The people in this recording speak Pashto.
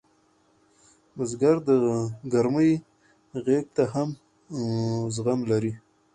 بزګر د ګرمۍ غېږ ته هم زغم لري